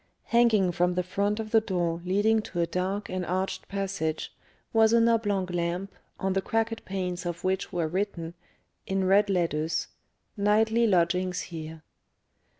Hanging from the front of the door leading to a dark and arched passage, was an oblong lamp, on the cracked panes of which were written, in red letters, "Nightly Lodgings Here."